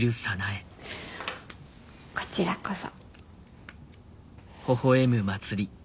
こちらこそ。